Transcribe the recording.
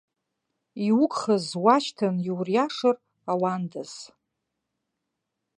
Иугхаз уашьҭан иуриашар ауандаз.